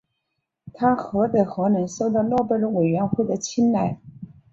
他何德何能受到诺贝尔委员会的青睐。